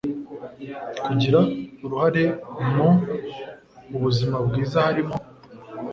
kugira uruhare m ubuzima bwiza halimo